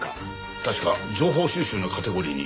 確か情報収集のカテゴリーに１つ。